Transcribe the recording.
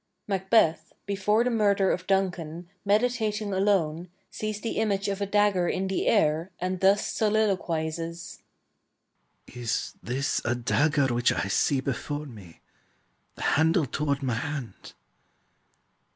[MACBETH, before the murder of Duncan, meditating alone, sees the image of a dagger in the air, and thus soliloquizes:] Is this a dagger which I see before me, The handle toward my hand?